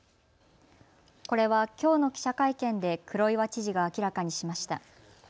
これはきょうの記者会見で黒岩知事が明らかにしました。